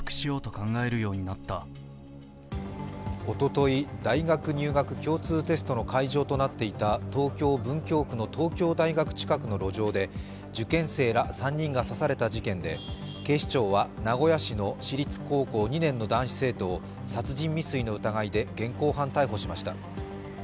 おととい、大学入試共通テストの会場となっていた東京・文京区の東京大学近くの路上で受験生ら３人が刺された事件で警視庁は、名古屋市の私立高校２年の男子生徒を殺人未遂の疑いで現行犯逮捕しました。